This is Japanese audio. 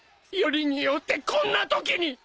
よりによってこんなときに！